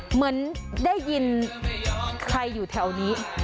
เหมือนได้ยินใครอยู่แถวนี้